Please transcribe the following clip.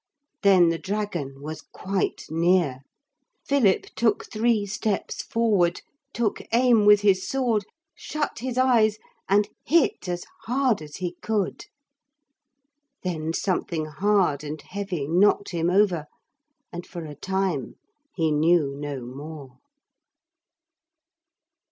Then the dragon was quite near. Philip took three steps forward, took aim with his sword, shut his eyes and hit as hard as he could. Then something hard and heavy knocked him over, and for a time he knew no more.